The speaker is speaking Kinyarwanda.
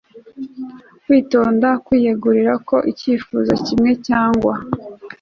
kwitonda kwiyegurira ko icyifuzo kimwe cyagwa